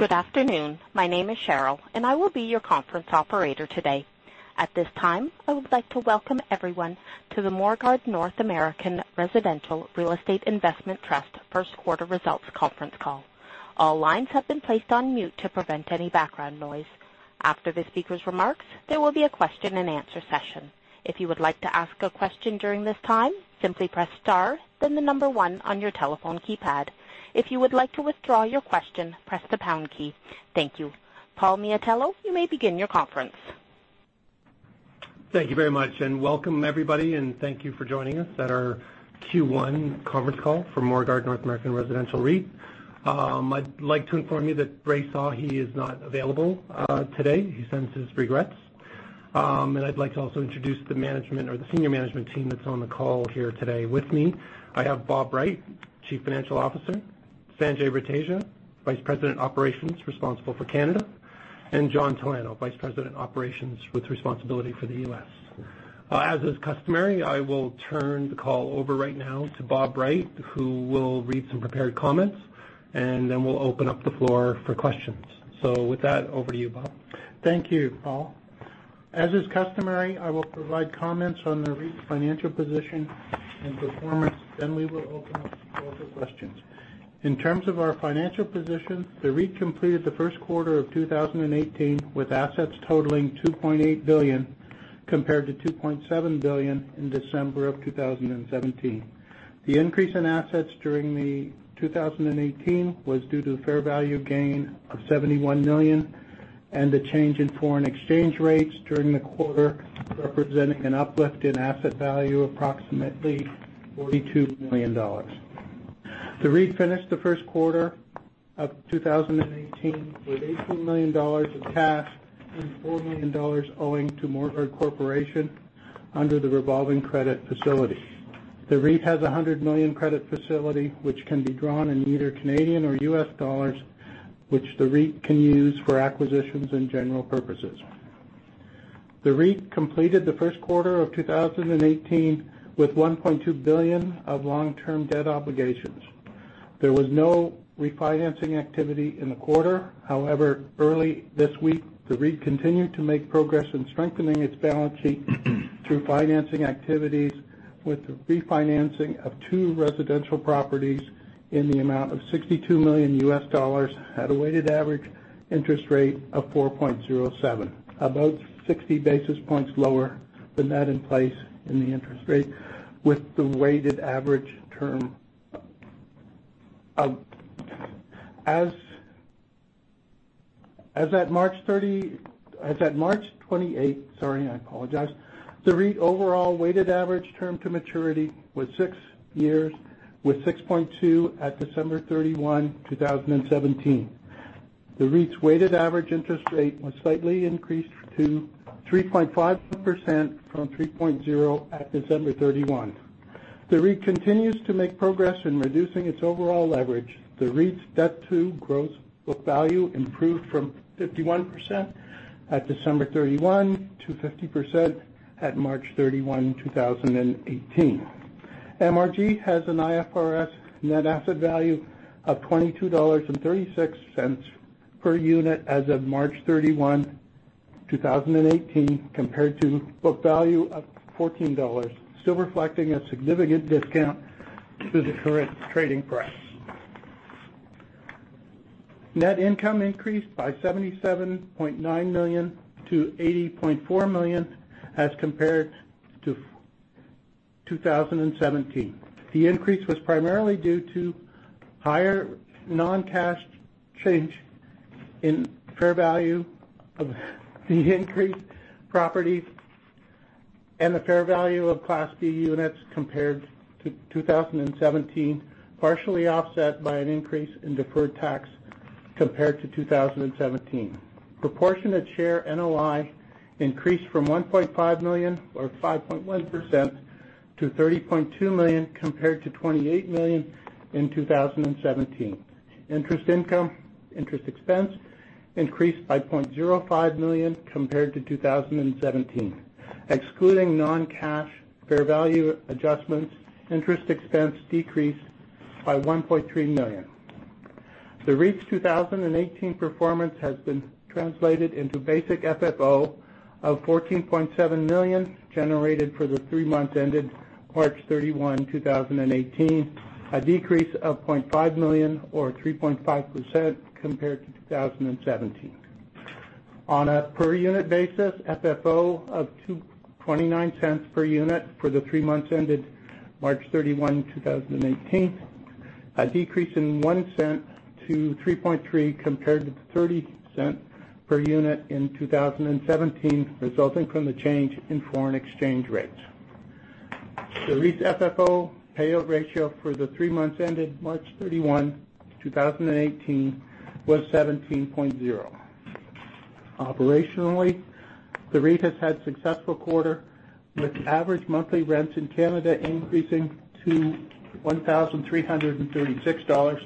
Good afternoon. My name is Cheryl, and I will be your conference operator today. At this time, I would like to welcome everyone to the Morguard North American Residential Real Estate Investment Trust First Quarter Results Conference Call. All lines have been placed on mute to prevent any background noise. After the speaker's remarks, there will be a question and answer session. If you would like to ask a question during this time, simply press star then the number one on your telephone keypad. If you would like to withdraw your question, press the pound key. Thank you. Paul Miatello, you may begin your conference. Thank you very much. Welcome everybody, and thank you for joining us at our Q1 conference call for Morguard North American Residential REIT. I'd like to inform you that Rai Sahi is not available today. He sends his regrets. I'd like to also introduce the senior management team that's on the call here today with me. I have Bob Wright, Chief Financial Officer, Sanjeev Parsad, Vice President of Operations responsible for Canada, and John Talano, Vice President Operations with responsibility for the U.S. As is customary, I will turn the call over right now to Bob Wright, who will read some prepared comments. We'll open up the floor for questions. With that, over to you, Bob. Thank you, Paul. As is customary, I will provide comments on the REIT's financial position and performance. We will open up the floor for questions. In terms of our financial position, the REIT completed the first quarter of 2018 with assets totaling 2.8 billion, compared to 2.7 billion in December 2017. The increase in assets during 2018 was due to the fair value gain of 71 million and the change in foreign exchange rates during the quarter, representing an uplift in asset value approximately 42 million dollars. The REIT finished the first quarter of 2018 with 18 million dollars of cash and 4 million dollars owing to Morguard Corporation under the revolving credit facility. The REIT has a 100 million credit facility, which can be drawn in either Canadian or U.S. dollars, which the REIT can use for acquisitions and general purposes. The REIT completed the first quarter of 2018 with 1.2 billion of long-term debt obligations. There was no refinancing activity in the quarter. Early this week, the REIT continued to make progress in strengthening its balance sheet through financing activities with the refinancing of two residential properties in the amount of $62 million U.S., at a weighted average interest rate of 4.07%, about 60 basis points lower than that in place in the interest rate with the weighted average term. As at March 28th, the REIT overall weighted average term to maturity was six years, with 6.2 years at December 31, 2017. The REIT's weighted average interest rate was slightly increased to 3.5% from 3.0% at December 31. The REIT continues to make progress in reducing its overall leverage. The REIT's debt to gross book value improved from 51% at December 31 to 50% at March 31, 2018. MRG has an IFRS net asset value of 22.36 dollars per unit as of March 31, 2018, compared to book value of 14 dollars, still reflecting a significant discount to the current trading price. Net income increased by 77.9 million to 80.4 million as compared to 2017. The increase was primarily due to higher non-cash change in fair value of the increased properties and the fair value of Class B units compared to 2017, partially offset by an increase in deferred tax compared to 2017. Proportionate share NOI increased from 1.5 million or 5.1% to 30.2 million compared to 28 million in 2017. Interest income, interest expense increased by 0.05 million compared to 2017. Excluding non-cash fair value adjustments, interest expense decreased by 1.3 million. The REIT's 2018 performance has been translated into basic FFO of 14.7 million generated for the three months ended March 31, 2018, a decrease of 0.5 million or 3.5% compared to 2017. On a per unit basis, FFO of 0.29 per unit for the three months ended March 31, 2018, a decrease in 0.01 to 3.3 compared to 0.30 per unit in 2017, resulting from the change in foreign exchange rates. The REIT's FFO payout ratio for the three months ended March 31, 2018, was 17.0%. Operationally, the REIT has had successful quarter with average monthly rents in Canada increasing to 1,336 dollars.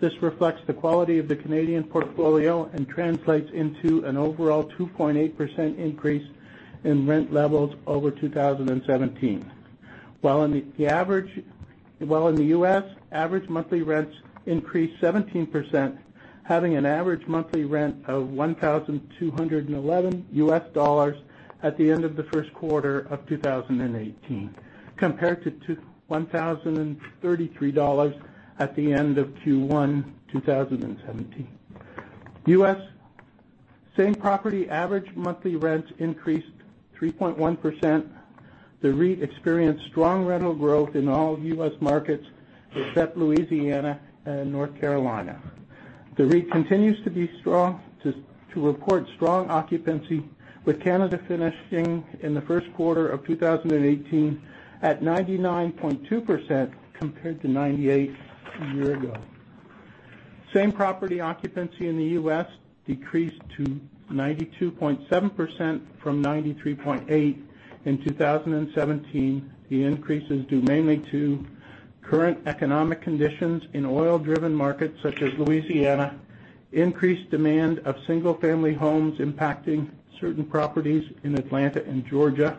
This reflects the quality of the Canadian portfolio and translates into an overall 2.8% increase in rent levels over 2017. While in the U.S., average monthly rents increased 17%, having an average monthly rent of $1,211 at the end of the first quarter of 2018, compared to $1,033 at the end of Q1 2017. U.S. same property average monthly rents increased 3.1%. The REIT experienced strong rental growth in all U.S. markets except Louisiana and North Carolina. The REIT continues to record strong occupancy, with Canada finishing in the first quarter of 2018 at 99.2%, compared to 98% a year ago. Same property occupancy in the U.S. decreased to 92.7% from 93.8% in 2017. The increase is due mainly to current economic conditions in oil-driven markets such as Louisiana, increased demand of single-family homes impacting certain properties in Atlanta and Georgia,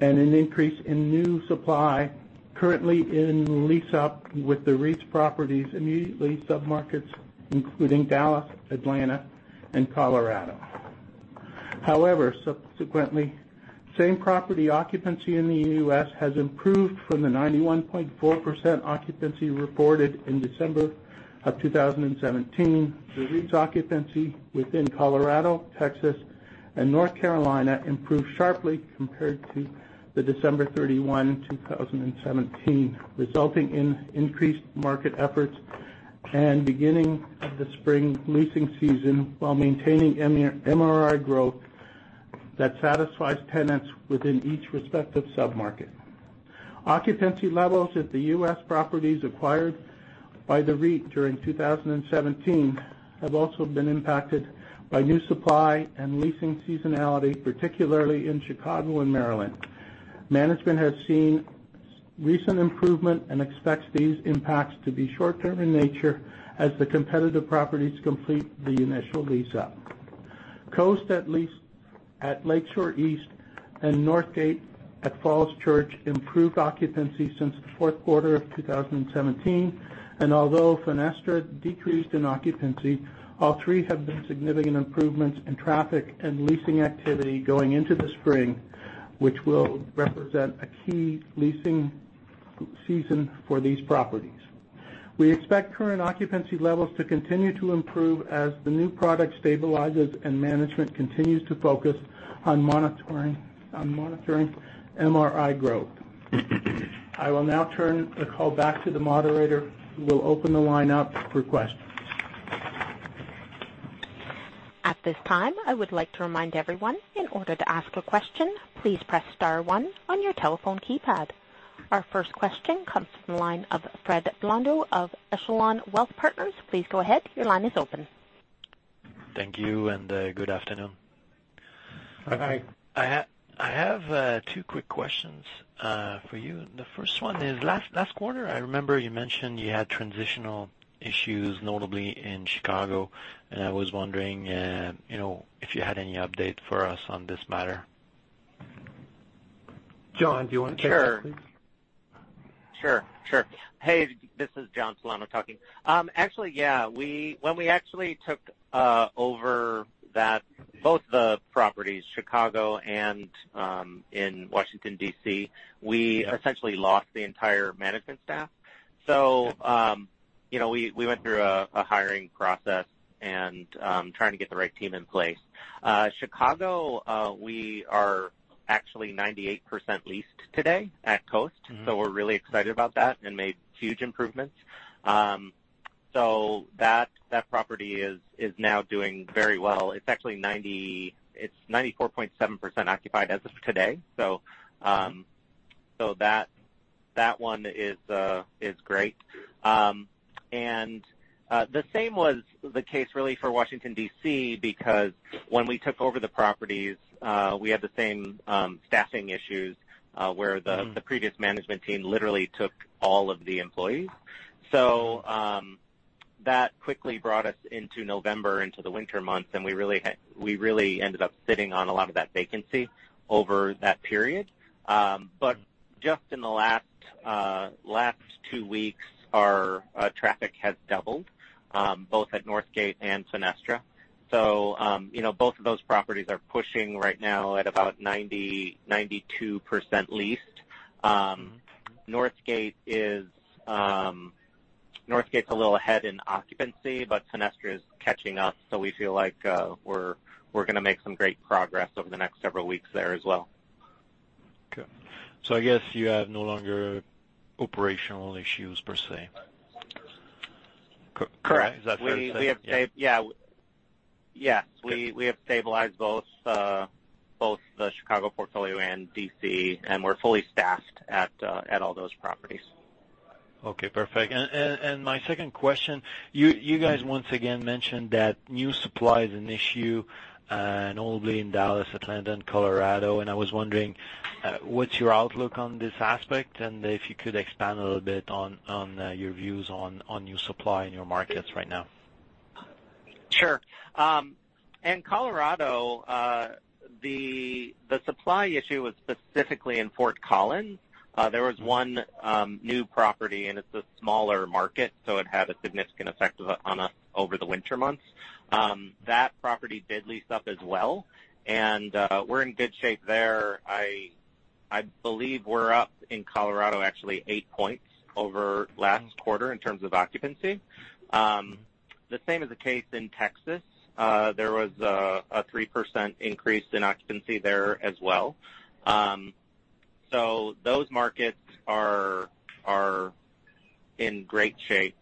and an increase in new supply currently in lease-up with the REIT's properties in the lead submarkets, including Dallas, Atlanta, and Colorado. Subsequently, same property occupancy in the U.S. has improved from the 91.4% occupancy reported in December of 2017. The REIT's occupancy within Colorado, Texas, and North Carolina improved sharply compared to the December 31, 2017, resulting in increased market efforts and beginning of the spring leasing season while maintaining MRI growth that satisfies tenants within each respective submarket. Occupancy levels at the U.S. properties acquired by the REIT during 2017 have also been impacted by new supply and leasing seasonality, particularly in Chicago and Maryland. Management has seen recent improvement and expects these impacts to be short-term in nature as the competitive properties complete the initial lease-up. Coast at Lakeshore East and Northgate at Falls Church improved occupancy since the fourth quarter of 2017. although Fenestra decreased in occupancy, all three have been significant improvements in traffic and leasing activity going into the spring, which will represent a key leasing season for these properties. We expect current occupancy levels to continue to improve as the new product stabilizes and management continues to focus on monitoring MRI growth. I will now turn the call back to the moderator, who will open the line up for questions. At this time, I would like to remind everyone, in order to ask a question, please press star one on your telephone keypad. Our first question comes from the line of Frédéric Blondeau of Echelon Wealth Partners. Please go ahead. Your line is open. Thank you, and good afternoon. Hi. I have two quick questions for you. The first one is, last quarter, I remember you mentioned you had transitional issues, notably in Chicago. I was wondering if you had any update for us on this matter. John, do you want to take this, please? Sure. Hey, this is John Talano talking. Actually, yeah. When we actually took over both the properties, Chicago and in Washington, D.C., we essentially lost the entire management staff. We went through a hiring process and trying to get the right team in place. Chicago, we are actually 98% leased today at Coast. We're really excited about that and made huge improvements. That property is now doing very well. It's actually 94.7% occupied as of today, so that one is great. The same was the case really for Washington, D.C., because when we took over the properties, we had the same staffing issues, where the previous management team literally took all of the employees. That quickly brought us into November, into the winter months, and we really ended up sitting on a lot of that vacancy over that period. Just in the last two weeks, our traffic has doubled, both at Northgate and Fenestra. Both of those properties are pushing right now at about 92% leased. Northgate's a little ahead in occupancy, but Fenestra is catching up, we feel like we're going to make some great progress over the next several weeks there as well. Okay. I guess you have no longer operational issues per se. Correct. Is that fair to say? Yes. We have stabilized both the Chicago portfolio and D.C., and we're fully staffed at all those properties. Okay, perfect. My second question, you guys once again mentioned that new supply is an issue, notably in Dallas, Atlanta, and Colorado, and I was wondering, what's your outlook on this aspect, and if you could expand a little bit on your views on new supply in your markets right now? Sure. In Colorado, the supply issue was specifically in Fort Collins. There was one new property, and it's a smaller market, so it had a significant effect on us over the winter months. That property did lease up as well, and we're in good shape there. I believe we're up in Colorado actually eight points over last quarter in terms of occupancy. The same is the case in Texas. There was a 3% increase in occupancy there as well. Those markets are in great shape.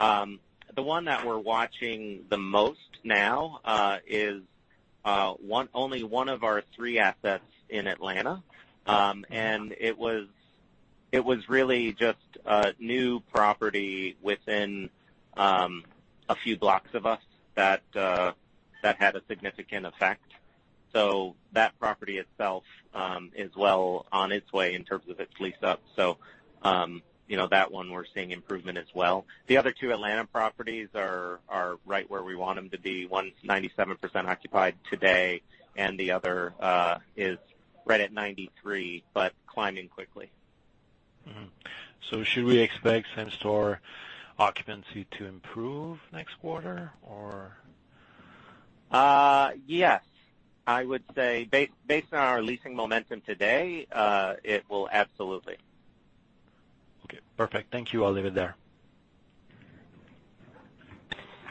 The one that we're watching the most now is only one of our three assets in Atlanta. It was really just a new property within a few blocks of us that had a significant effect. That property itself is well on its way in terms of its lease-up. That one we're seeing improvement as well. The other two Atlanta properties are right where we want them to be. One's 97% occupied today and the other is right at 93%, but climbing quickly. Mm-hmm. Should we expect same-store occupancy to improve next quarter or? Yes. I would say based on our leasing momentum today it will absolutely. Okay, perfect. Thank you. I'll leave it there.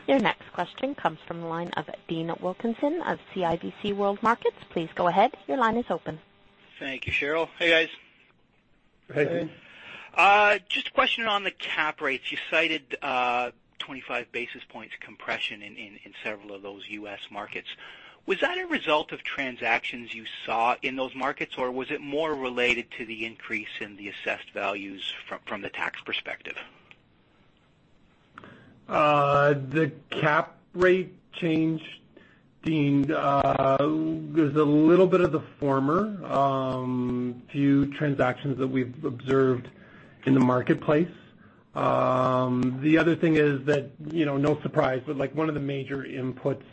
Your next question comes from the line of Dean Wilkinson of CIBC World Markets. Please go ahead. Your line is open. Thank you, Cheryl. Hey, guys. Hey. Hey. Just a question on the cap rates. You cited 25 basis points compression in several of those U.S. markets. Was that a result of transactions you saw in those markets, or was it more related to the increase in the assessed values from the tax perspective? The cap rate change, Dean, was a little bit of the former. Few transactions that we've observed in the marketplace. The other thing is that, no surprise, but one of the major inputs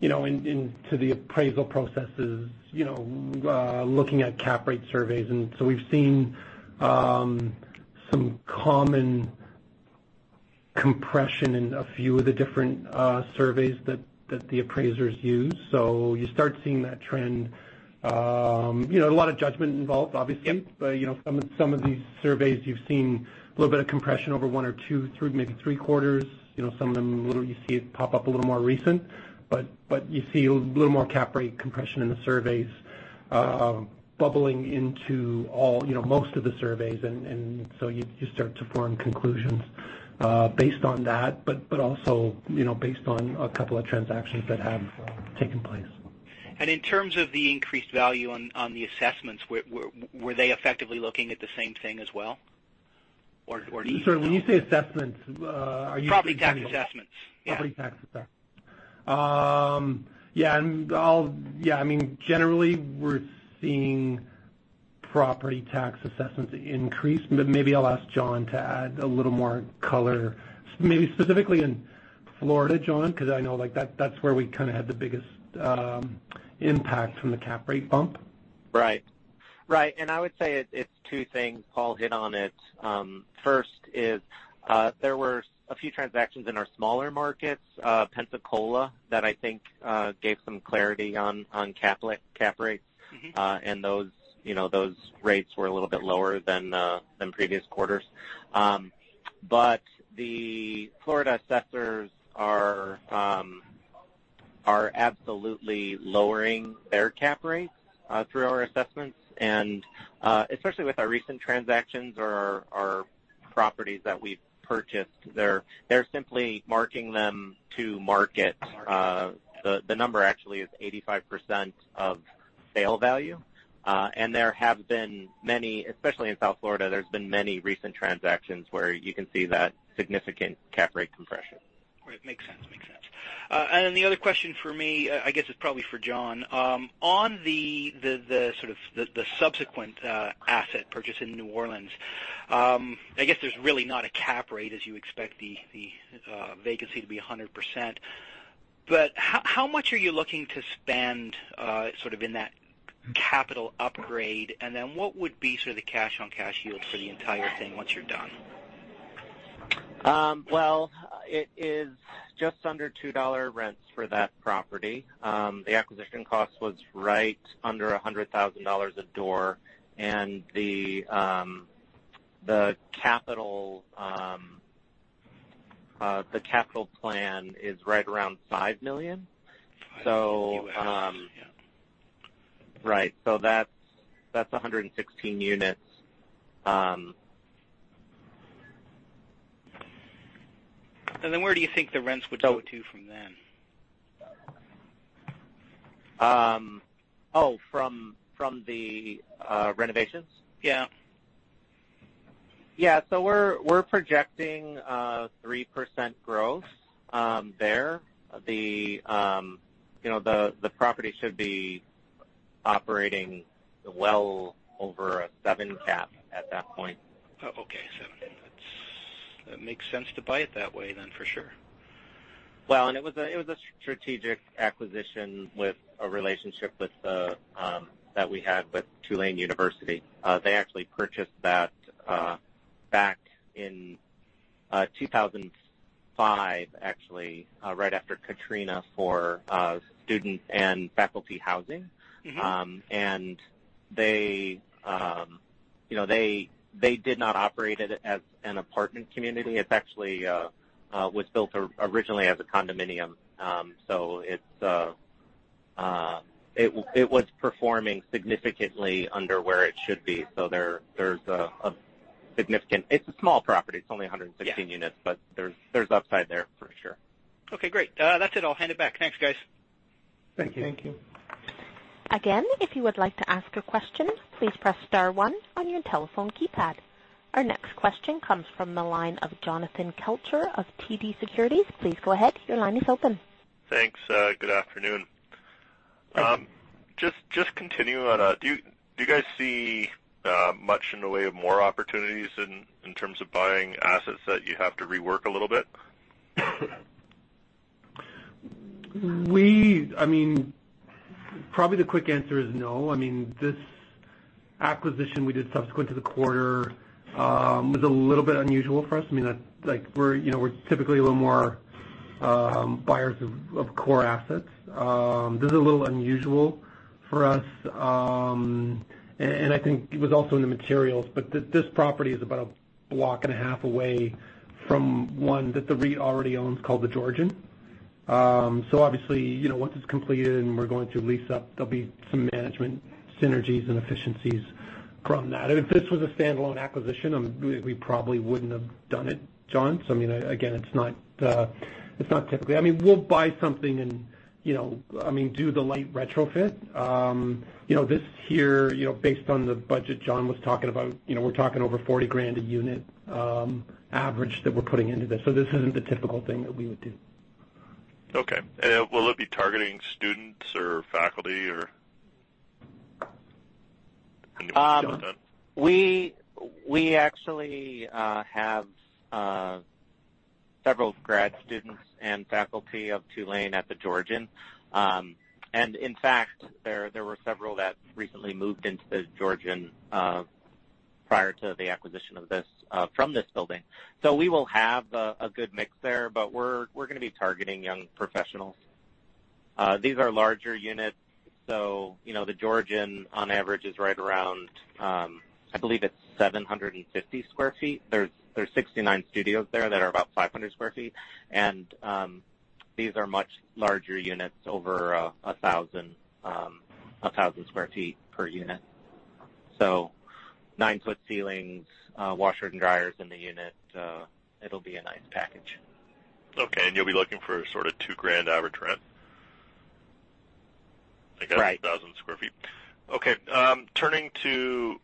into the appraisal process is looking at cap rate surveys. We've seen some common compression in a few of the different surveys that the appraisers use. You start seeing that trend. A lot of judgment involved, obviously. Yep. Some of these surveys, you've seen a little bit of compression over one or two, maybe three quarters. Some of them you see it pop up a little more recent, but you see a little more cap rate compression in the surveys bubbling into most of the surveys. You start to form conclusions based on that, but also based on a couple of transactions that have taken place. In terms of the increased value on the assessments, were they effectively looking at the same thing as well, or do you? Sorry, when you say assessments, are you? Property tax assessments. Yeah. Property tax assessments. Yeah. Generally, we're seeing property tax assessments increase. Maybe I'll ask John to add a little more color. Maybe specifically in Florida, John, because I know that's where we kind of had the biggest impact from the cap rate bump. Right. I would say it's two things. Paul hit on it. First is, there were a few transactions in our smaller markets, Pensacola, that I think gave some clarity on cap rates. Those rates were a little bit lower than previous quarters. The Florida assessors are absolutely lowering their cap rates through our assessments, and especially with our recent transactions or our properties that we've purchased, they're simply marking them to market. The number actually is 85% of sale value. There have been many, especially in South Florida, there's been many recent transactions where you can see that significant cap rate compression. Great. Makes sense. Then the other question for me, I guess is probably for John. On the subsequent asset purchase in New Orleans, I guess there's really not a cap rate as you expect the vacancy to be 100%, but how much are you looking to spend in that capital upgrade, and then what would be sort of the cash-on-cash yield for the entire thing once you're done? Well, it is just under 2 dollar rents for that property. The acquisition cost was right under 100,000 dollars a door, and the capital plan is right around 5 million. CAD 5 million. Yeah. Right. That's 116 units. Where do you think the rents would go to from then? Oh, from the renovations? Yeah. Yeah. We're projecting a 3% growth there. The property should be operating well over a seven cap at that point. Oh, okay. Seven. It makes sense to buy it that way then, for sure. It was a strategic acquisition with a relationship that we had with Tulane University. They actually purchased that back in 2005, actually, right after Katrina, for student and faculty housing. They did not operate it as an apartment community. It actually was built originally as a condominium. It was performing significantly under where it should be. It's a small property. It's only 116 units. Yeah. There's upside there for sure. Okay, great. That's it. I'll hand it back. Thanks, guys. Thank you. Thank you. Again, if you would like to ask a question, please press star one on your telephone keypad. Our next question comes from the line of Jonathan Kelcher of TD Securities. Please go ahead. Your line is open. Thanks. Good afternoon. Thank you. Just continuing on, do you guys see much in the way of more opportunities in terms of buying assets that you have to rework a little bit? Probably the quick answer is no. This acquisition we did subsequent to the quarter, was a little bit unusual for us. We're typically a little more buyers of core assets. This is a little unusual for us, and I think it was also in the materials, but this property is about a block and a half away from one that the REIT already owns, called The Georgian. Obviously, once it's completed and we're going to lease up, there'll be some management synergies and efficiencies from that. If this was a standalone acquisition, we probably wouldn't have done it, Jon. Again, it's not typically We'll buy something and do the light retrofit. This here, based on the budget John was talking about, we're talking over 40,000 a unit average that we're putting into this. This isn't the typical thing that we would do. Okay. Will it be targeting students or faculty or anybody, John? We actually have several grad students and faculty of Tulane at The Georgian. In fact, there were several that recently moved into The Georgian, prior to the acquisition of this, from this building. We will have a good mix there, but we're going to be targeting young professionals. These are larger units. The Georgian, on average, is right around, I believe it's 750 sq ft. There's 69 studios there that are about 500 sq ft, and these are much larger units, over 1,000 sq ft per unit. 9-foot ceilings, washers and dryers in the unit. It'll be a nice package. Okay. You'll be looking for sort of 2,000 average rent? Right. I got 1,000 sq ft. Okay. Turning to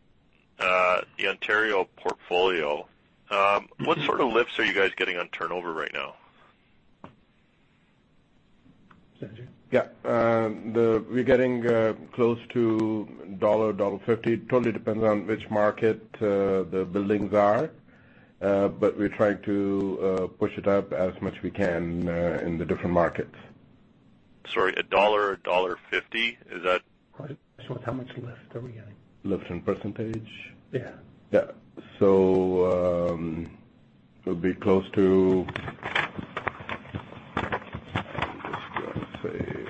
the Ontario portfolio. What sort of lifts are you guys getting on turnover right now? Sanjeev? Yeah. We're getting close to CAD 1, dollar 1.50. Totally depends on which market the buildings are. We're trying to push it up as much as we can in the different markets. Sorry, CAD 1, dollar 1.50? Is that- How much lift are we getting? Lift in percentage? Yeah. Yeah. It'll be close to, let's say,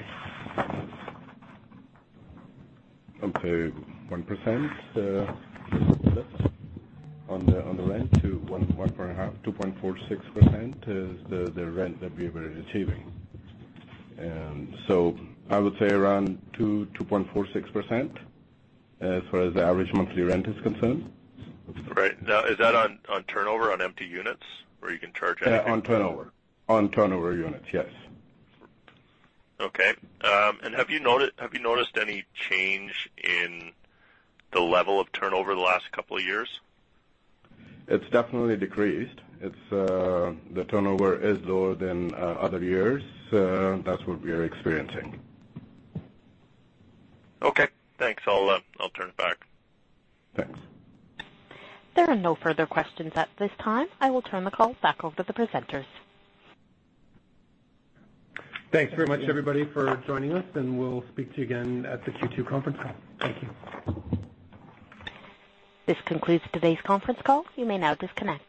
up to 1%, on the rent to 1.5%, 2.46% is the rent that we are achieving. I would say around 2%, 2.46% as far as the average monthly rent is concerned. Right. Now, is that on turnover on empty units where you can charge anything? On turnover. On turnover units, yes. Okay. Have you noticed any change in the level of turnover the last couple of years? It's definitely decreased. The turnover is lower than other years. That's what we are experiencing. Okay, thanks. I'll turn it back. Thanks. There are no further questions at this time. I will turn the call back over to the presenters. Thanks very much, everybody, for joining us, and we'll speak to you again at the Q2 conference call. Thank you. This concludes today's conference call. You may now disconnect.